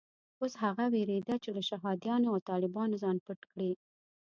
اوس هغه وېرېده چې له شهادیانو او طالبانو ځان پټ کړي.